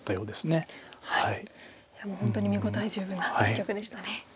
いやもう本当に見応え十分な一局でしたね。